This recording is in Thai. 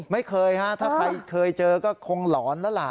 ไม่เคยฮะถ้าใครเคยเจอก็คงหลอนแล้วล่ะ